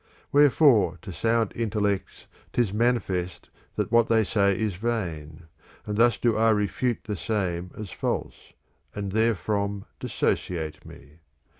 Wherefore to sound intellects 'tis manifest that what they say is vain, and thus do I refute the same as false, and therefrom dissociate me.